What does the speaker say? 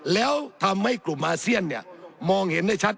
แล้วทำให้กลุ่มอาเซียนเนี่ยมองเห็นได้ชัด